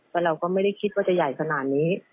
แต่เราก็ไม่ได้คิดว่าจะใหญ่ขนาดนี้